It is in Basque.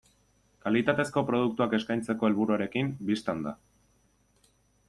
Kalitatezko produktuak eskaintzeko helburuarekin, bistan da.